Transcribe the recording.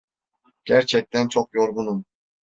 Gerçekten çok yorgunum.